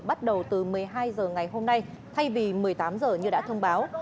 bắt đầu từ một mươi hai h ngày hôm nay thay vì một mươi tám h như đã thông báo